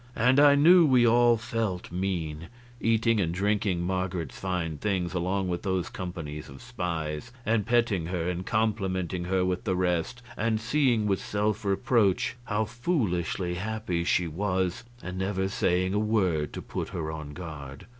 And I knew we all felt mean, eating and drinking Marget's fine things along with those companies of spies, and petting her and complimenting her with the rest, and seeing with self reproach how foolishly happy she was, and never saying a word to put her on her guard.